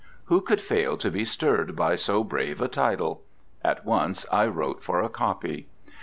Who could fail to be stirred by so brave a title? At once I wrote for a copy.